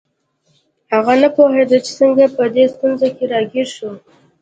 هغه نه پوهیده چې څنګه په دې ستونزه کې راګیر شو